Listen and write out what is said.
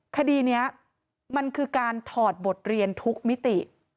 คดีนี้มันคือการถอดบทเรียนทุกมิติ